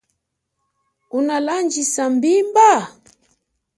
Unalandjisa mbimba?